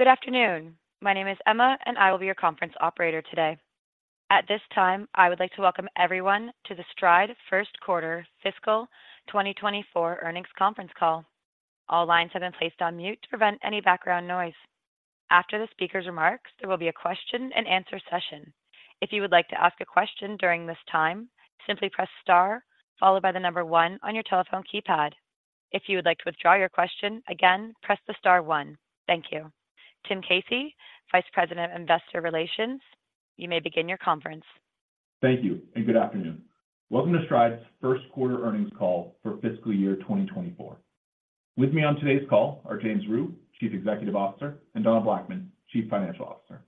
Good afternoon. My name is Emma, and I will be your conference operator today. At this time, I would like to welcome everyone to the Stride Q1 Fiscal 2024 Earnings Conference Call. All lines have been placed on mute to prevent any background noise. After the speaker's remarks, there will be a question-and-answer session. If you would like to ask a question during this time, simply press star, followed by the number one on your telephone keypad. If you would like to withdraw your question, again, press the star one. Thank you. Tim Casey, Vice President of Investor Relations, you may begin your conference. Thank you, and good afternoon. Welcome to Stride's Q1 Earnings Call for Fiscal Year 2024. With me on today's call are James Rhyu, Chief Executive Officer, and Donna Blackman, Chief Financial Officer.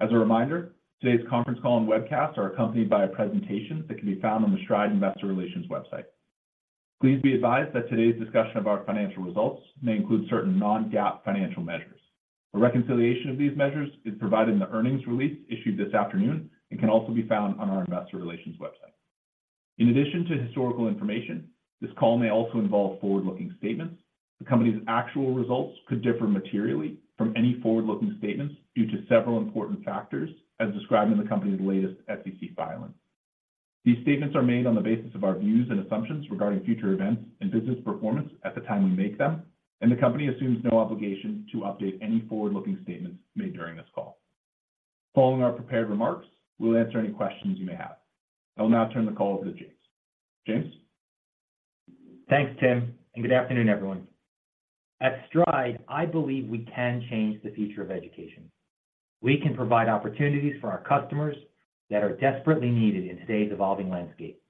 As a reminder, today's conference call and webcast are accompanied by a presentation that can be found on the Stride Investor Relations website. Please be advised that today's discussion of our financial results may include certain non-GAAP financial measures. A reconciliation of these measures is provided in the earnings release issued this afternoon and can also be found on our Investor Relations website. In addition to historical information, this call may also involve forward-looking statements. The company's actual results could differ materially from any forward-looking statements due to several important factors as described in the company's latest SEC filing. These statements are made on the basis of our views and assumptions regarding future events and business performance at the time we make them, and the company assumes no obligation to update any forward-looking statements made during this call. Following our prepared remarks, we'll answer any questions you may have. I will now turn the call over to James. James? Thanks, Tim, and good afternoon, everyone. At Stride, I believe we can change the future of education. We can provide opportunities for our customers that are desperately needed in today's evolving landscape.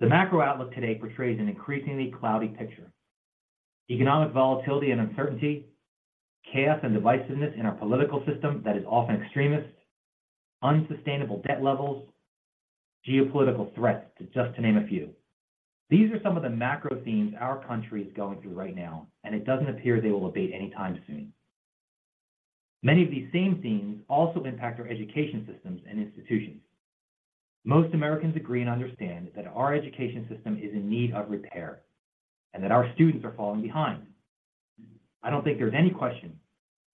The macro outlook today portrays an increasingly cloudy picture. Economic volatility and uncertainty, chaos and divisiveness in our political system that is often extremist, unsustainable debt levels, geopolitical threats, just to name a few. These are some of the macro themes our country is going through right now, and it doesn't appear they will abate anytime soon. Many of these same themes also impact our education systems and institutions. Most Americans agree and understand that our education system is in need of repair and that our students are falling behind. I don't think there's any question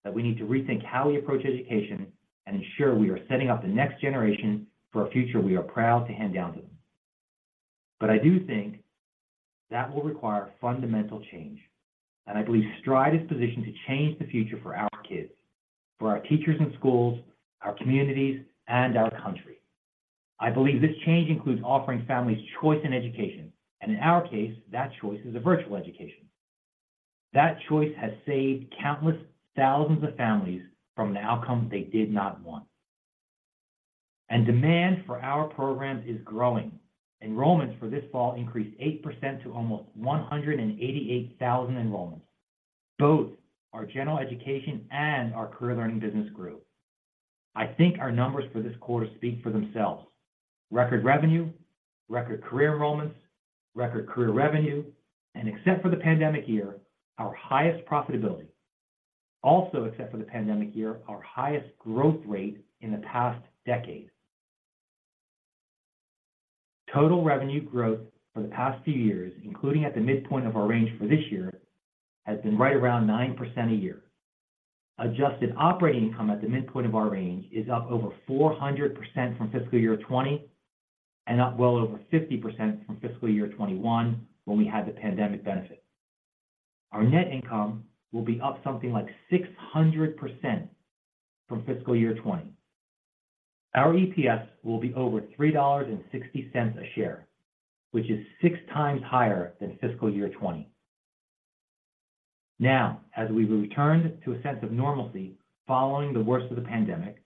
that we need to rethink how we approach education and ensure we are setting up the next generation for a future we are proud to hand down to them. But I do think that will require fundamental change, and I believe Stride is positioned to change the future for our kids, for our teachers and schools, our communities, and our country. I believe this change includes offering families choice in education, and in our case, that choice is a virtual education. That choice has saved countless thousands of families from an outcome they did not want. And demand for our programs is growing. Enrollments for this fall increased 8% to almost 188,000 enrollments. Both our general education and our career learning business grew. I think our numbers for this quarter speak for themselves. Record revenue, record career enrollments, record career revenue, and except for the pandemic year, our highest profitability. Also, except for the pandemic year, our highest growth rate in the past decade. Total revenue growth for the past few years, including at the midpoint of our range for this year, has been right around 9% a year. Adjusted operating income at the midpoint of our range is up over 400% from fiscal year 2020, and up well over 50% from fiscal year 2021, when we had the pandemic benefit. Our net income will be up something like 600% from fiscal year 2020. Our EPS will be over $3.60 a share, which is 6 times higher than fiscal year 2020. Now, as we return to a sense of normalcy following the worst of the pandemic,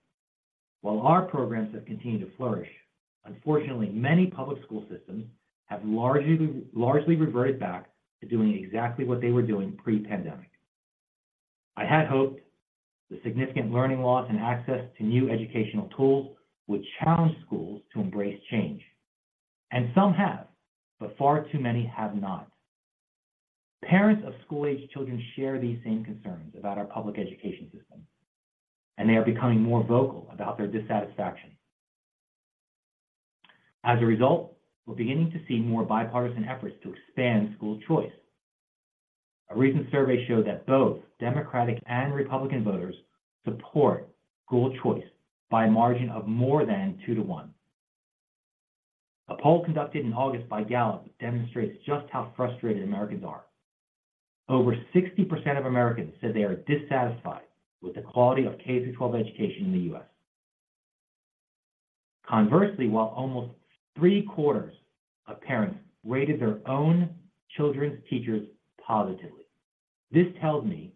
while our programs have continued to flourish, unfortunately, many public school systems have largely reverted back to doing exactly what they were doing pre-pandemic. I had hoped the significant learning loss and access to new educational tools would challenge schools to embrace change, and some have, but far too many have not. Parents of school-age children share these same concerns about our public education system, and they are becoming more vocal about their dissatisfaction. As a result, we're beginning to see more bipartisan efforts to expand school choice. A recent survey showed that both Democratic and Republican voters support school choice by a margin of more than 2-to-1. A poll conducted in August by Gallup demonstrates just how frustrated Americans are. Over 60% of Americans said they are dissatisfied with the quality of K-12 education in the US. Conversely, while almost three-quarters of parents rated their own children's teachers positively, this tells me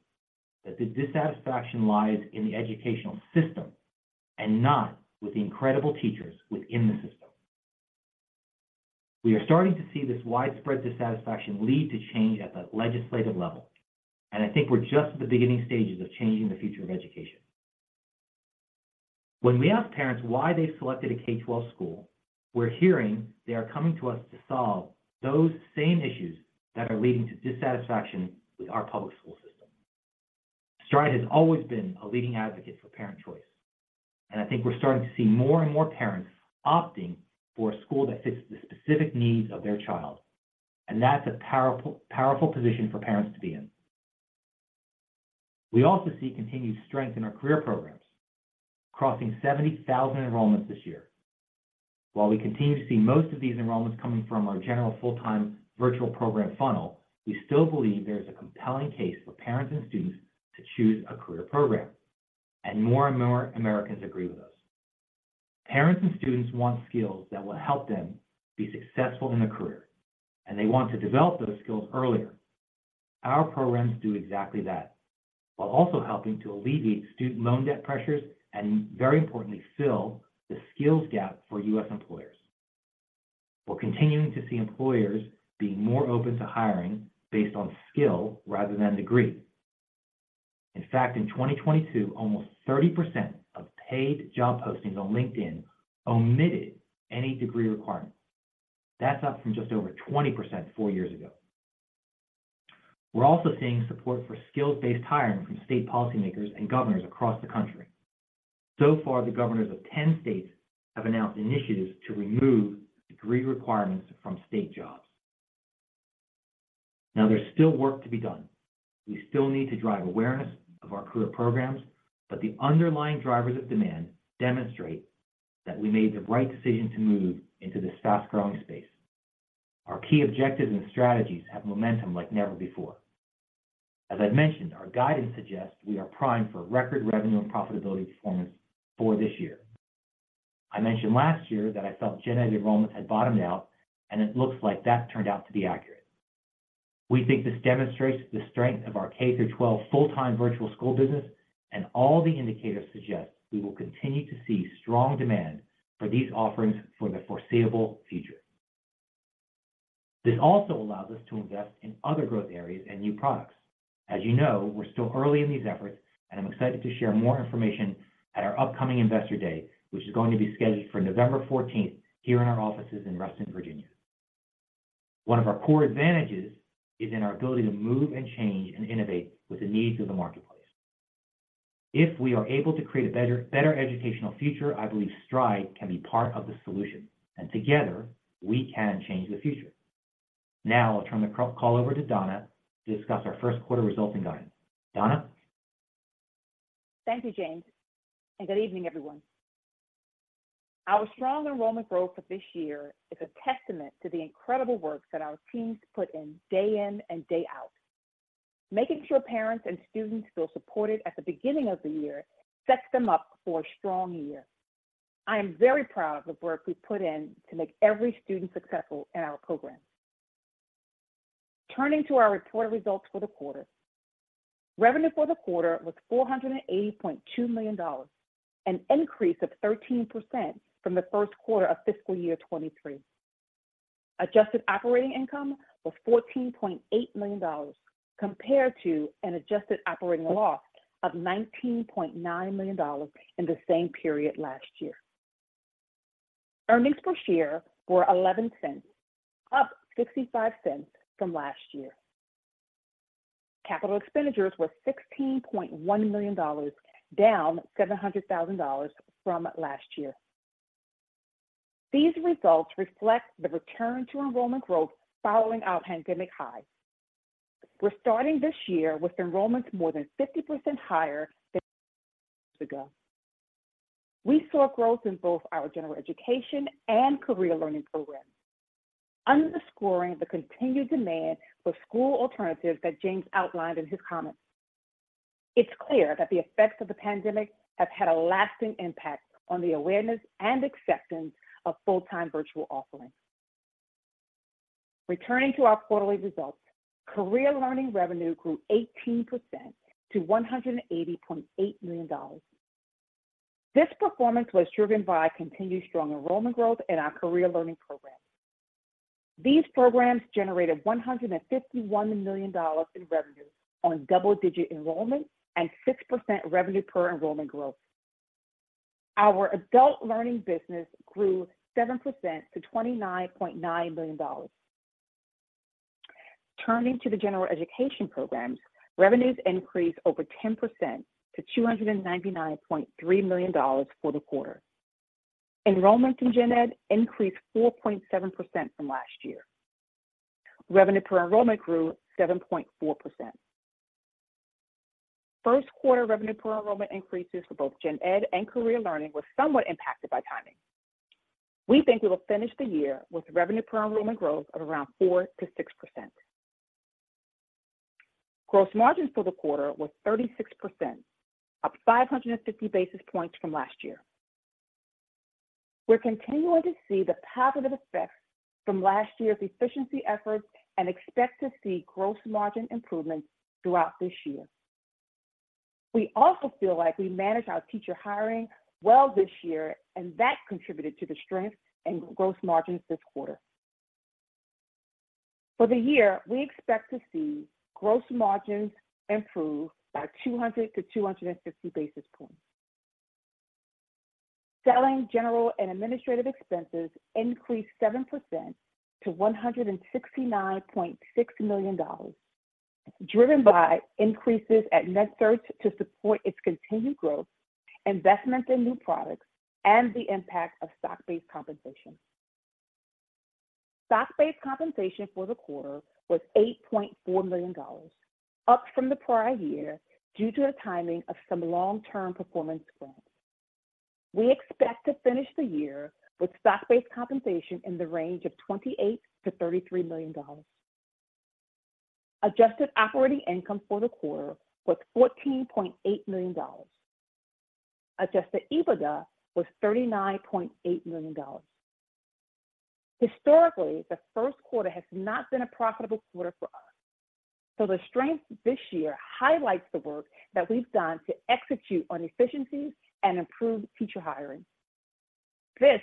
that the dissatisfaction lies in the educational system and not with the incredible teachers within the system. We are starting to see this widespread dissatisfaction lead to change at the legislative level, and I think we're just at the beginning stages of changing the future of education. When we ask parents why they selected a K-12 school, we're hearing they are coming to us to solve those same issues that are leading to dissatisfaction with our public school system. Stride has always been a leading advocate for parent choice. I think we're starting to see more and more parents opting for a school that fits the specific needs of their child, and that's a powerful, powerful position for parents to be in. We also see continued strength in our career programs, crossing 70,000 enrollments this year. While we continue to see most of these enrollments coming from our general full-time virtual program funnel, we still believe there's a compelling case for parents and students to choose a career program, and more and more Americans agree with us. Parents and students want skills that will help them be successful in a career, and they want to develop those skills earlier. Our programs do exactly that, while also helping to alleviate student loan debt pressures and, very importantly, fill the skills gap for U.S. employers. We're continuing to see employers being more open to hiring based on skill rather than degree. In fact, in 2022, almost 30% of paid job postings on LinkedIn omitted any degree requirement. That's up from just over 20% four years ago. We're also seeing support for skills-based hiring from state policymakers and governors across the country. So far, the governors of 10 states have announced initiatives to remove degree requirements from state jobs. Now, there's still work to be done. We still need to drive awareness of our career programs, but the underlying drivers of demand demonstrate that we made the right decision to move into this fast-growing space. Our key objectives and strategies have momentum like never before. As I've mentioned, our guidance suggests we are primed for record revenue and profitability performance for this year. I mentioned last year that I felt Gen Ed enrollments had bottomed out, and it looks like that turned out to be accurate. We think this demonstrates the strength of our K through 12 full-time virtual school business, and all the indicators suggest we will continue to see strong demand for these offerings for the foreseeable future. This also allows us to invest in other growth areas and new products. As you know, we're still early in these efforts, and I'm excited to share more information at our upcoming Investor Day, which is going to be scheduled for November 14, here in our offices in Reston, Virginia. One of our core advantages is in our ability to move and change and innovate with the needs of the marketplace. If we are able to create a better, better educational future, I believe Stride can be part of the solution, and together, we can change the future. Now I'll turn the call over to Donna to discuss our first quarter results and guidance. Donna? Thank you, James, and good evening, everyone. Our strong enrollment growth for this year is a testament to the incredible work that our teams put in day in and day out. Making sure parents and students feel supported at the beginning of the year sets them up for a strong year. I am very proud of the work we've put in to make every student successful in our program. Turning to our reported results for the quarter. Revenue for the quarter was $480.2 million, an increase of 13% from the Q1 of fiscal year 2023. Adjusted operating income was $14.8 million, compared to an adjusted operating loss of $19.9 million in the same period last year. Earnings per share were $0.11, up $0.65 from last year. Capital expenditures were $16.1 million, down $700,000 from last year. These results reflect the return to enrollment growth following our pandemic high. We're starting this year with enrollments more than 50% higher than four years ago. We saw growth in both our general education and career learning programs, underscoring the continued demand for school alternatives that James outlined in his comments. It's clear that the effects of the pandemic have had a lasting impact on the awareness and acceptance of full-time virtual offerings. Returning to our quarterly results, career learning revenue grew 18% to $180.8 million. This performance was driven by continued strong enrollment growth in our career learning programs. These programs generated $151 million in revenue on double-digit enrollment and 6% revenue per enrollment growth. Our adult learning business grew 7% to $29.9 million. Turning to the general education programs, revenues increased over 10% to $299.3 million for the quarter. Enrollment in Gen Ed increased 4.7% from last year. Revenue per enrollment grew 7.4%. Q1 revenue per enrollment increases for both Gen Ed and career learning were somewhat impacted by timing. We think we will finish the year with revenue per enrollment growth of around 4%-6%. Gross margins for the quarter were 36%, up 550 basis points from last year. We're continuing to see the positive effects from last year's efficiency efforts and expect to see gross margin improvements throughout this year. We also feel like we managed our teacher hiring well this year, and that contributed to the strength in gross margins this quarter. For the year, we expect to see gross margins improve by 200-250 basis points. Selling, general, and administrative expenses increased 7% to $169.6 million, driven by increases at MedCerts to support its continued growth, investment in new products, and the impact of stock-based compensation. Stock-based compensation for the quarter was $8.4 million, up from the prior year due to the timing of some long-term performance grants. We expect to finish the year with stock-based compensation in the range of $28 million-$33 million. Adjusted operating income for the quarter was $14.8 million. Adjusted EBITDA was $39.8 million. Historically, the Q1 has not been a profitable quarter for us, so the strength this year highlights the work that we've done to execute on efficiencies and improve teacher hiring. This,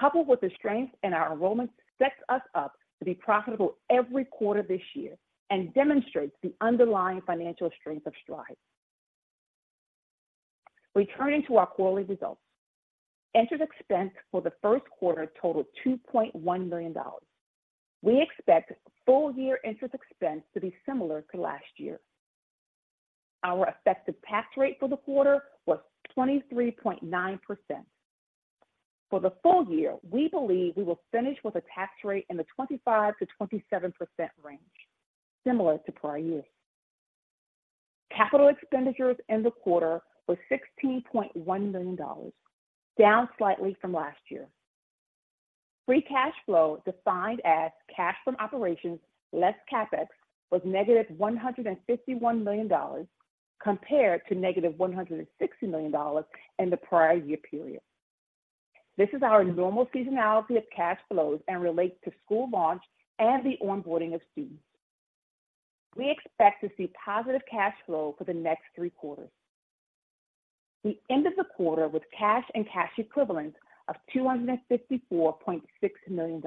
coupled with the strength in our enrollment, sets us up to be profitable every quarter this year and demonstrates the underlying financial strength of Stride. Returning to our quarterly results, interest expense for the Q1 totaled $2.1 million. We expect full-year interest expense to be similar to last year. Our effective tax rate for the quarter was 23.9%. For the full year, we believe we will finish with a tax rate in the 25%-27% range, similar to prior years. Capital expenditures in the quarter were $16.1 million, down slightly from last year. Free cash flow, defined as cash from operations less CapEx, was negative $151 million, compared to negative $160 million in the prior year period. This is our normal seasonality of cash flows and relates to school launch and the onboarding of students. We expect to see positive cash flow for the next three quarters. We ended the quarter with cash and cash equivalents of $254.6 million.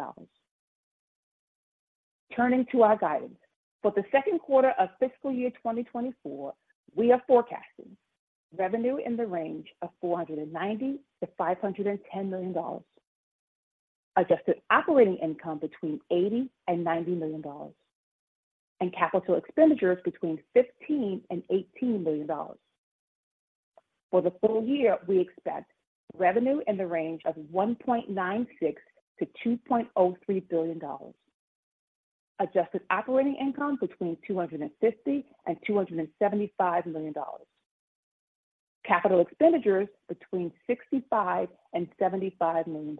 Turning to our guidance. For the Q2 of fiscal year 2024, we are forecasting revenue in the range of $490 million-$510 million, adjusted operating income between $80 million-$90 million, and capital expenditures between $15 million-$18 million. For the full year, we expect revenue in the range of $1.96 billion-$2.03 billion, adjusted operating income between $250 million-$275 million, capital expenditures between $65 million-$75 million,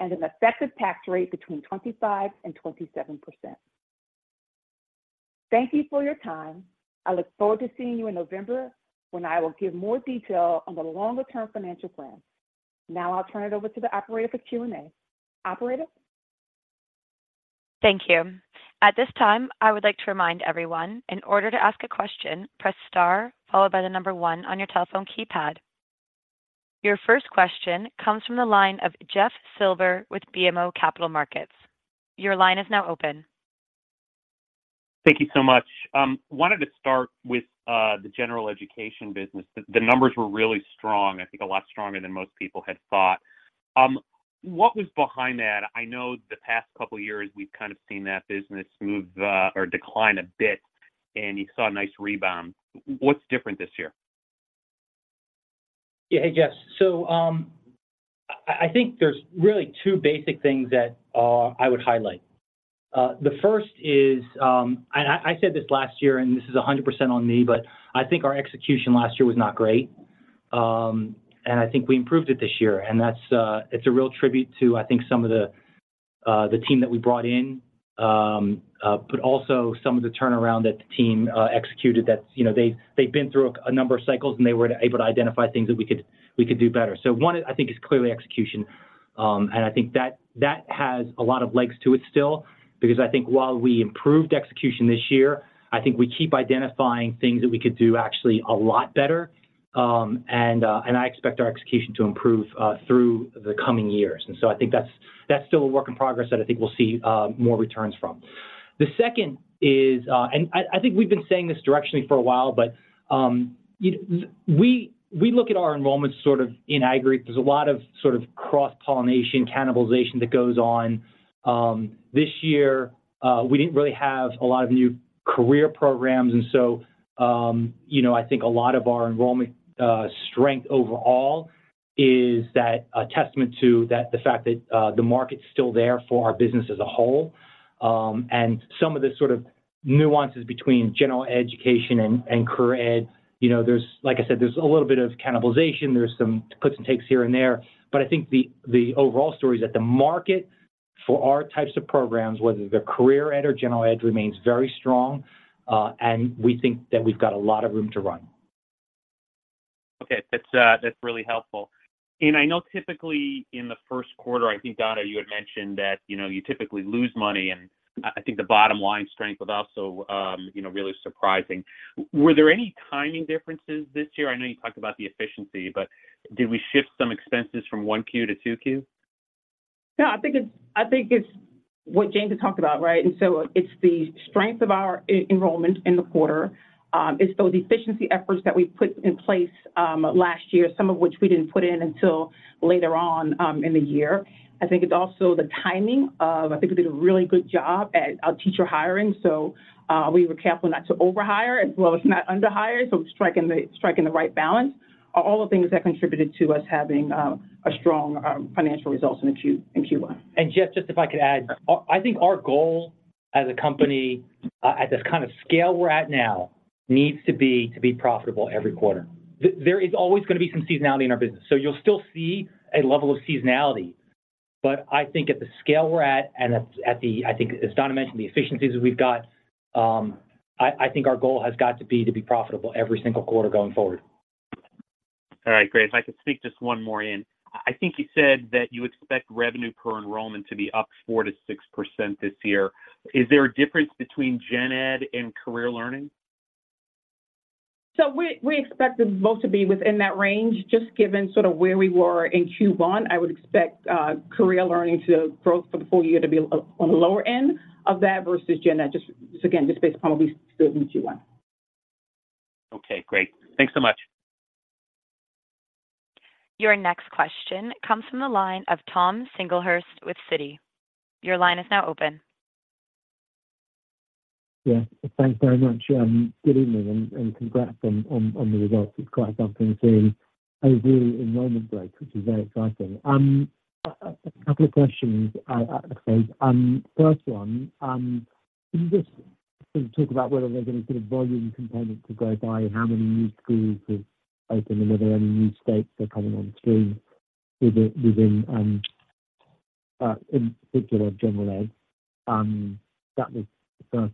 and an effective tax rate between 25%-27%. Thank you for your time. I look forward to seeing you in November, when I will give more detail on the longer-term financial plan. Now I'll turn it over to the operator for Q&A. Operator? Thank you. At this time, I would like to remind everyone, in order to ask a question, press star followed by the number one on your telephone keypad. Your first question comes from the line of Jeff Silber with BMO Capital Markets. Your line is now open. Thank you so much. Wanted to start with the general education business. The numbers were really strong, I think a lot stronger than most people had thought. What was behind that? I know the past couple of years we've kind of seen that business move or decline a bit, and you saw a nice rebound. What's different this year? Yeah. Hey, Jeff. So, I think there's really two basic things that I would highlight. The first is, i said this last year, and this is 100% on me, but I think our execution last year was not great. I think we improved it this year, and that's, it's a real tribute to, I think, some of the team that we brought in, but also some of the turnaround that the team executed that, you know, they've been through a number of cycles, and they were able to identify things that we could do better. So one, I think, is clearly execution, and I think that has a lot of legs to it still. Because I think while we improved execution this year, I think we keep identifying things that we could do actually a lot better, and, and I expect our execution to improve, through the coming years. And so I think that's, that's still a work in progress that I think we'll see, more returns from. The second is, and I, I think we've been saying this directionally for a while, but, we, we look at our enrollments sort of in aggregate. There's a lot of sort of cross-pollination, cannibalization that goes on. This year, we didn't really have a lot of new career programs and so, you know, I think a lot of our enrollment, strength overall is that a testament to that, the fact that, the market's still there for our business as a whole. Some of the sort of nuances between general education and career ed, you know, there's like I said, there's a little bit of cannibalization, there's some puts and takes here and there, but I think the overall story is that the market for our types of programs, whether they're career ed or general ed, remains very strong, and we think that we've got a lot of room to run. Okay. That's, that's really helpful. And I know typically in the Q1, I think, Donna, you had mentioned that, you know, you typically lose money, and I, I think the bottom line strength was also, you know, really surprising. Were there any timing differences this year? I know you talked about the efficiency, but did we shift some expenses from Q1 to Q2? No, I think it's, I think it's what James had talked about, right? And so it's the strength of our enrollment in the quarter, it's those efficiency efforts that we put in place last year, some of which we didn't put in until later on in the year. I think it's also the timing of. I think we did a really good job at our teacher hiring, so we were careful not to overhire as well as not underhire, so striking the, striking the right balance. Are all the things that contributed to us having a strong financial results in Q1. And Jeff, just if I could add. I think our goal as a company, at the kind of scale we're at now, needs to be profitable every quarter. There is always gonna be some seasonality in our business, so you'll still see a level of seasonality. But I think at the scale we're at, as Donna mentioned, the efficiencies that we've got, I think our goal has got to be to be profitable every single quarter going forward. All right, great. If I could sneak just one more in. I think you said that you expect revenue per enrollment to be up 4%-6% this year. Is there a difference between Gen Ed and Career Learning? So we expect them both to be within that range. Just given sort of where we were in Q1, I would expect Career Learning to Growth for the full year to be on the lower end of that versus Gen Ed. Just again, based upon what we saw in Q1. Okay, great. Thanks so much. Your next question comes from the line of Tom Singlehurst with Citi. Your line is now open. Yeah, thanks very much. Good evening, and congrats on the results. It's quite something to see. Overall, enrollment growth, which is very exciting. A couple of questions, first one, can you just sort of talk about whether there's any sort of volume component to growth by how many new schools have opened, and are there any new states that are coming on stream within, in particular, general ed? And then the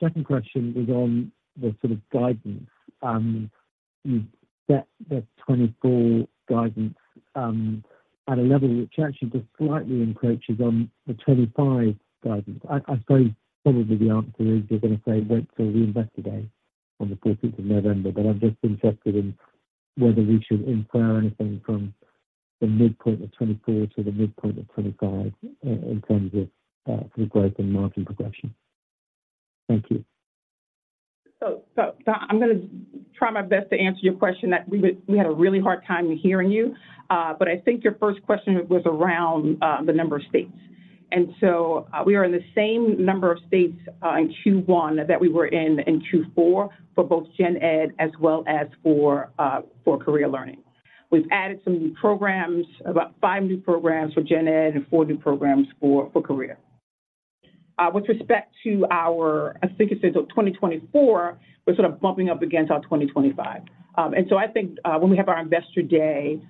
second question is on the sort of guidance, you set the 2024 guidance at a level which actually just slightly encroaches on the 2025 guidance. I suppose probably the answer is you're gonna say wait till we invest today on the fourteenth of November, but I'm just interested in whether we should infer anything from the midpoint of 2024 to the midpoint of 2025 in terms of growth and margin progression. Thank you. So I'm gonna try my best to answer your question, that we had a really hard time hearing you. But I think your first question was around the number of states. And so we are in the same number of states in Q1 that we were in Q4 for both Gen Ed as well as for Career Learning. We've added some new programs, about 5 new programs for Gen Ed and 4 new programs for Career. With respect to our, I think you said 2024, we're sort of bumping up against our 2025. And so I think when we have our Investor Day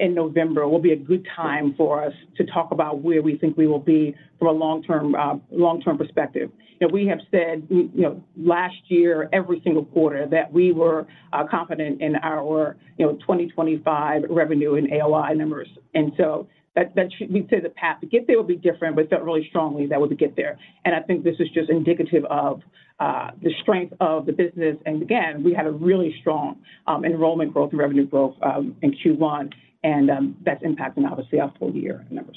in November, will be a good time for us to talk about where we think we will be from a long-term perspective. Now, we have said, you know, last year, every single quarter, that we were confident in our, you know, 2025 revenue and AOI numbers. And so that should, we'd say the path to get there will be different, but felt really strongly that we would get there. And I think this is just indicative of the strength of the business. And again, we had a really strong enrollment growth and revenue growth in Q1, and that's impacting obviously our full year numbers.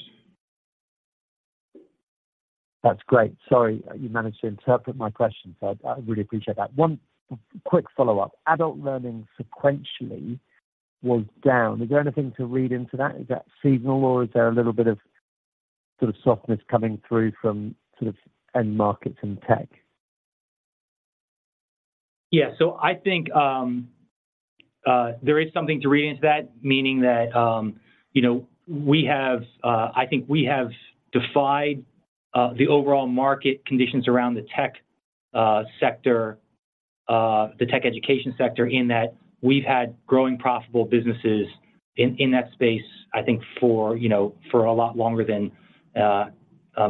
That's great. Sorry, you managed to interpret my question, so I, I really appreciate that. One quick follow-up. Adult learning sequentially was down. Is there anything to read into that? Is that seasonal, or is there a little bit of sort of softness coming through from sort of end markets and tech? Yeah. So I think, there is something to read into that, meaning that, you know, we have, I think we have defied, the overall market conditions around the tech, sector, the tech education sector, in that we've had growing profitable businesses in that space, I think for, you know, for a lot longer than,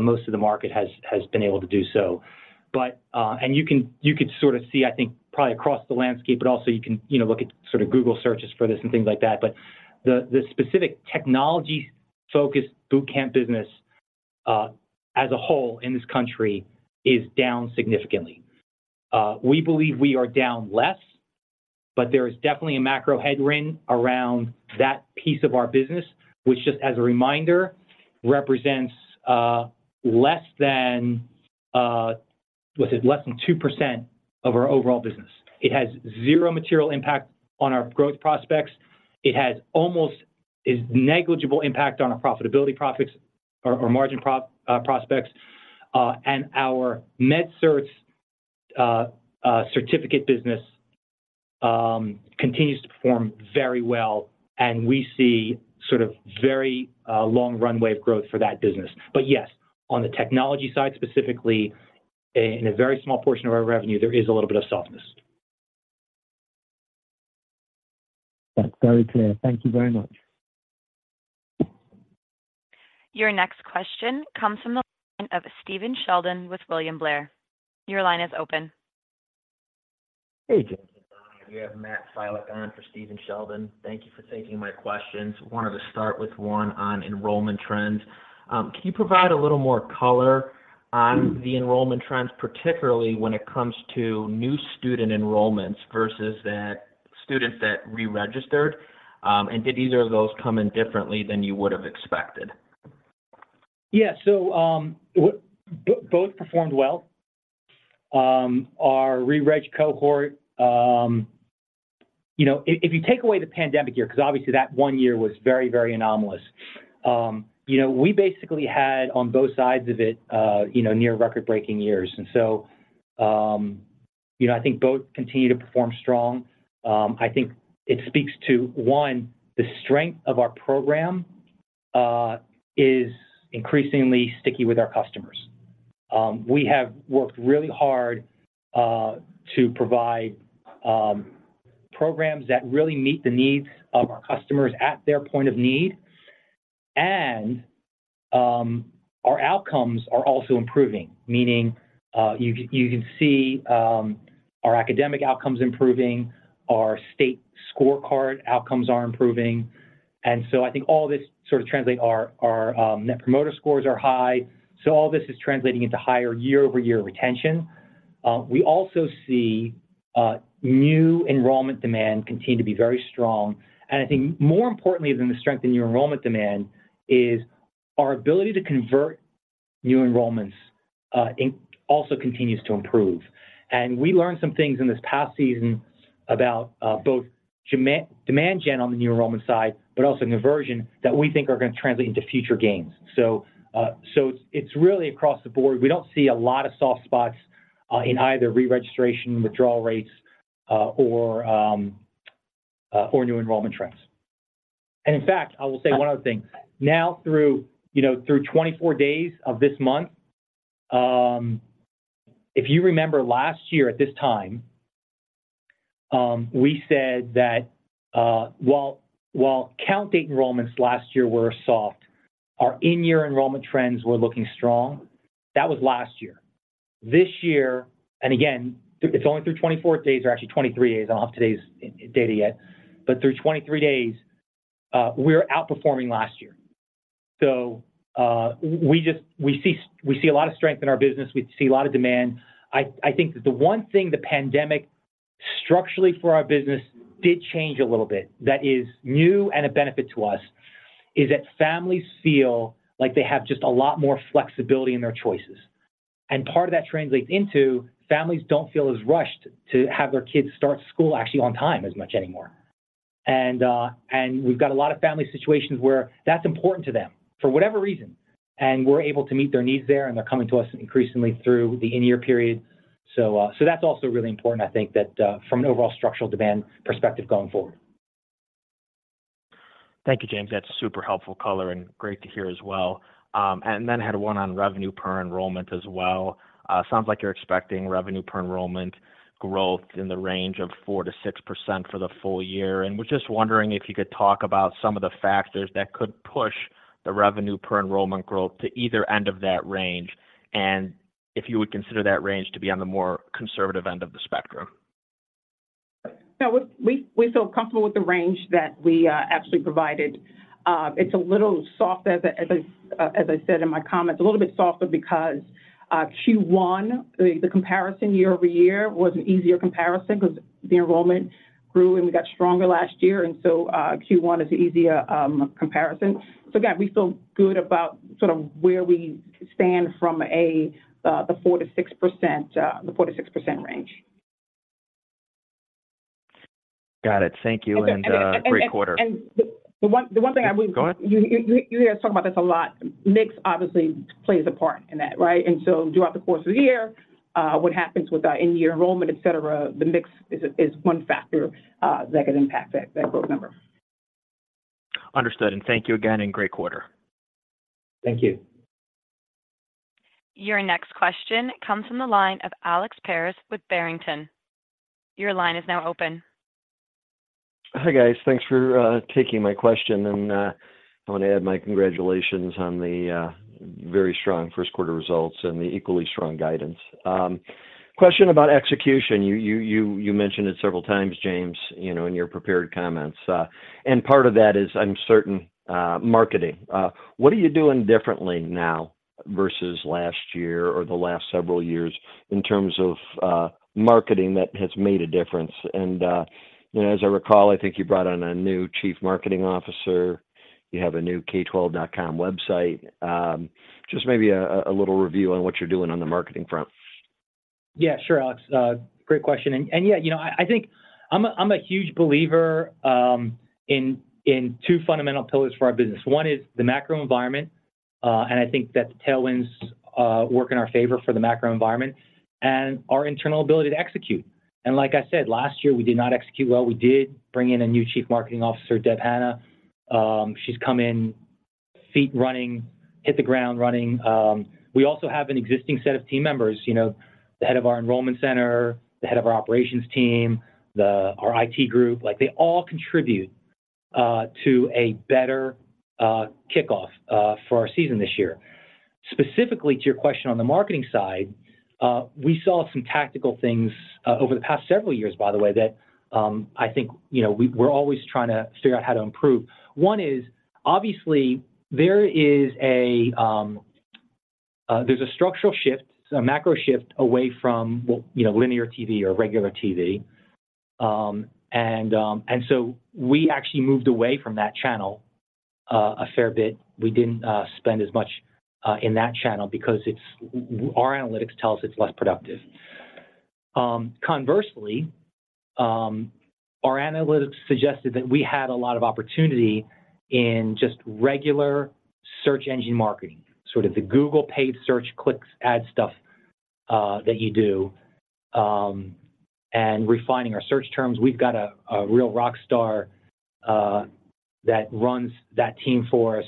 most of the market has been able to do so. But. And you could sort of see, I think, probably across the landscape, but also you can, you know, look at sort of Google searches for this and things like that. But the specific technology-focused boot camp business, as a whole in this country is down significantly. We believe we are down less, but there is definitely a macro headwind around that piece of our business, which just as a reminder, represents less than, what is it? Less than 2% of our overall business. It has zero material impact on our growth prospects. It has almost this negligible impact on our profitability prospects or margin prospects. And our MedCerts certificate business continues to perform very well, and we see sort of very long runway of growth for that business. But yes, on the technology side, specifically, in a very small portion of our revenue, there is a little bit of softness. That's very clear. Thank you very much. Your next question comes from the line of Stephen Sheldon with William Blair. Your line is open. Hey, James and Donna. You have Matt Filek on for Stephen Sheldon. Thank you for taking my questions. Wanted to start with one on enrollment trends. Can you provide a little more color on the enrollment trends, particularly when it comes to new student enrollments versus those students that re-registered. Did either of those come in differently than you would have expected? Yeah. So, both performed well. Our re-reg cohort, you know, if you take away the pandemic year, because obviously that one year was very, very anomalous, you know, we basically had on both sides of it, you know, near record-breaking years. And so, you know, I think both continue to perform strong. I think it speaks to, one, the strength of our program is increasingly sticky with our customers. We have worked really hard to provide programs that really meet the needs of our customers at their point of need. And, our outcomes are also improving, meaning, you can see our academic outcomes improving, our state scorecard outcomes are improving. So I think all this sort of translates to our Net Promoter Scores are high, so all this is translating into higher year-over-year retention. We also see new enrollment demand continue to be very strong. I think more importantly than the strength in new enrollment demand is our ability to convert new enrollments also continues to improve. We learned some things in this past season about both demand gen on the new enrollment side, but also in conversion, that we think are going to translate into future gains. So it's really across the board. We don't see a lot of soft spots in either re-registration, withdrawal rates, or new enrollment trends. In fact, I will say one other thing. Now, through, you know, through 24 days of this month, if you remember last year at this time, we said that, while, while Count Date Enrollments last year were soft, our In-Year Enrollment trends were looking strong. That was last year. This year, and again, it's only through 24 days, or actually 23 days, I don't have today's data yet, but through 23 days, we're outperforming last year. So, we just see, we see a lot of strength in our business. We see a lot of demand. I think that the one thing the pandemic structurally for our business did change a little bit, that is new and a benefit to us, is that families feel like they have just a lot more flexibility in their choices. Part of that translates into families don't feel as rushed to have their kids start school actually on time as much anymore. We've got a lot of family situations where that's important to them, for whatever reason, and we're able to meet their needs there, and they're coming to us increasingly through the in-year period. That's also really important, I think, that from an overall structural demand perspective going forward. Thank you, James. That's super helpful color and great to hear as well. And then I had one on revenue per enrollment as well. Sounds like you're expecting revenue per enrollment growth in the range of 4%-6% for the full year. And was just wondering if you could talk about some of the factors that could push the revenue per enrollment growth to either end of that range, and if you would consider that range to be on the more conservative end of the spectrum. No, we feel comfortable with the range that we actually provided. It's a little softer, as I said in my comments, a little bit softer because Q1, the comparison year-over-year was an easier comparison, because the enrollment grew, and we got stronger last year, and so Q1 is an easier comparison. So again, we feel good about sort of where we stand from a the 4%-6%, the 4%-6% range. Got it. Thank you, and a great quarter. The one thing I will, Go ahead. You hear us talk about this a lot. Mix obviously plays a part in that, right? And so throughout the course of the year, what happens with our in-year enrollment, et cetera, the mix is one factor that could impact that growth number. Understood, and thank you again, and great quarter. Thank you. Your next question comes from the line of Alex Paris with Barrington. Your line is now open. Hi, guys. Thanks for taking my question, and I want to add my congratulations on the very strong Q1 results and the equally strong guidance. Question about execution. You mentioned it several times, James, you know, in your prepared comments, and part of that is uncertain marketing. What are you doing differently now versus last year or the last several years in terms of marketing that has made a difference? And as I recall, I think you brought on a new Chief Marketing Officer. You have a new K12.com website. Just maybe a little review on what you're doing on the marketing front. Yeah, sure, Alex. Great question. And yeah, you know, I think I'm a huge believer in two fundamental pillars for our business. One is the macro environment, and I think that the tailwinds work in our favor for the macro environment and our internal ability to execute. And like I said, last year, we did not execute well. We did bring in a new Chief Marketing Officer, Deb Hannah. She's come in feet running, hit the ground running. We also have an existing set of team members, you know, the head of our enrollment center, the head of our operations team, our IT group, like, they all contribute to a better kickoff for our season this year. Specifically, to your question on the marketing side, we saw some tactical things over the past several years, by the way, that I think, you know, we're always trying to figure out how to improve. One is obviously there is a structural shift, a macro shift away from, well, you know, linear TV or regular TV. And so we actually moved away from that channel a fair bit. We didn't spend as much in that channel because it's our analytics tells us it's less productive. Conversely, our analytics suggested that we had a lot of opportunity in just regular search engine marketing, sort of the Google paid search clicks, ad stuff that you do, and refining our search terms. We've got a real rock star that runs that team for us,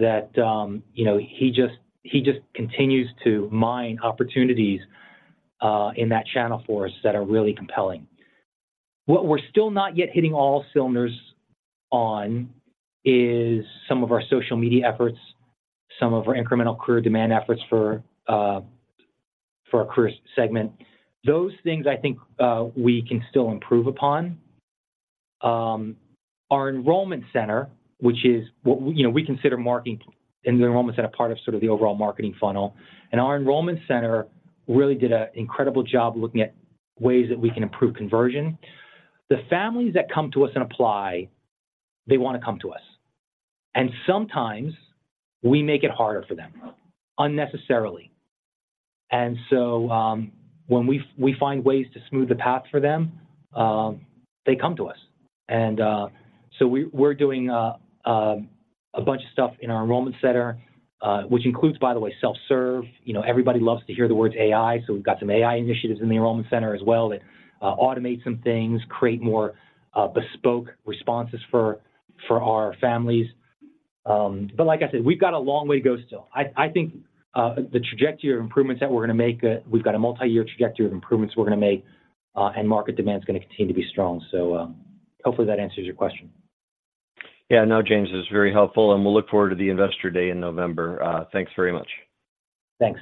that you know, he just, he just continues to mine opportunities in that channel for us that are really compelling. What we're still not yet hitting all cylinders on is some of our social media efforts, some of our incremental career demand efforts for for our career segment. Those things, I think, we can still improve upon. Our enrollment center, which is what you know, we consider marketing in the enrollment center part of, sort of the overall marketing funnel, and our enrollment center really did an incredible job looking at ways that we can improve conversion. The families that come to us and apply, they want to come to us, and sometimes we make it harder for them unnecessarily. And so, when we find ways to smooth the path for them, they come to us. And, so we're doing a bunch of stuff in our enrollment center, which includes, by the way, self-serve. You know, everybody loves to hear the words AI, so we've got some AI initiatives in the enrollment center as well that automate some things, create more bespoke responses for our families. But like I said, we've got a long way to go still. I think the trajectory of improvements that we're gonna make, we've got a multi-year trajectory of improvements we're gonna make, and market demand is gonna continue to be strong. So, hopefully, that answers your question. Yeah. No, James, this is very helpful, and we'll look forward to the Investor Day in November. Thanks very much. Thanks.